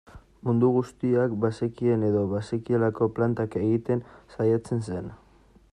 Mundu guztiak bazekien edo bazekielako plantak egiten saiatzen zen.